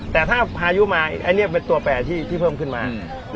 แต่ถ้าพายุมาอันนี้เป็นตัวแปลที่เพิ่มขึ้นมา